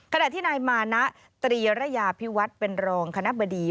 ขณะที่นายมานะตรีระยาพิวัฒน์เป็นรองคณะบดี